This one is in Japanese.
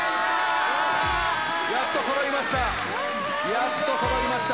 やっと揃いました。